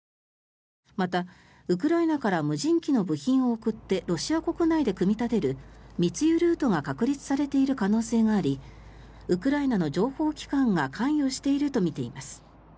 また、ウクライナから無人機の部品を送ってロシア国内で組み立てる密輸ルートが確立されている可能性がありウクライナの情報機関が関与しているとみています。